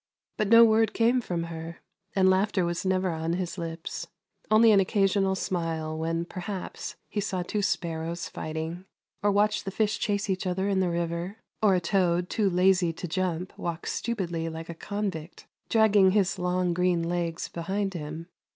But no word came from her, and laughter was never on his lips — only an occasional smile when, perhaps, he saw two sparrows fighting, or watched the fish chase each other in the river, or a toad, too lazy to jump, walk stupidly like a convict, dragging his long, green legs behind him.